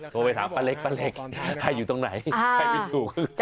โทรไปถามป้าเล็กให้อยู่ตรงไหนให้ไม่ถูก